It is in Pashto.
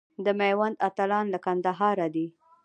د میوند اتلان له کندهاره دي.